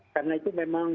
karena itu memang